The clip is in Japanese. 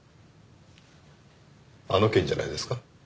あの件じゃないですか？